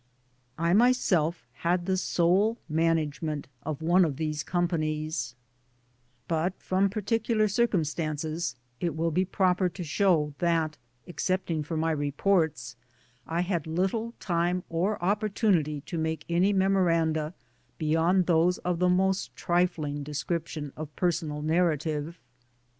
I myself had the sole management of one of these Companies ; but, from particular circumstances, it will be proper to show that, excepting for my Repcnis, I had little time or c^^rtumty to make any memoranda be yond those erf the most tr^ng description erf personal narrative.